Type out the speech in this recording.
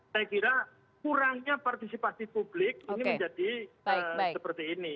saya kira kurangnya partisipasi publik ini menjadi seperti ini